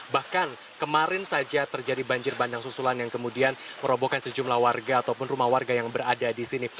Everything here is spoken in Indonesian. bahkan kemarin saja terjadi banjir bandang susulan yang kemudian merobohkan sejumlah warga ataupun rumah warga yang berada di sini